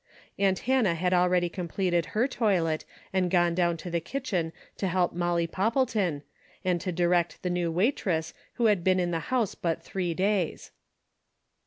Aunt Hannah had already completed her toilet and gone down to the kitchen to help Molly Poppleton, and to direct the new waitress who had been in the house but three days.